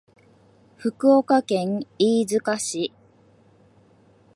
福岡県飯塚市